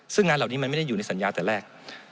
ซึ่งงานเหล่านี้มันไม่ได้อยู่ในสัญญาแต่แรก